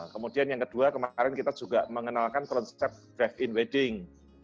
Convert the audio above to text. kemudian yang kedua kemarin kita juga mengenalkan konsep drive in wedding